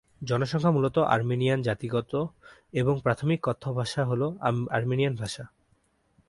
জনসংখ্যা মূলত আর্মেনিয়ান জাতিগত, এবং প্রাথমিক কথ্য ভাষা হ'ল আর্মেনিয়ান ভাষা।